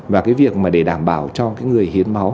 và cái việc để đảm bảo cho người hiến máu